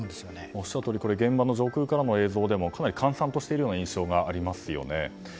おっしゃるとおり現場の上空からの映像でもかなり閑散としている印象がありますよね。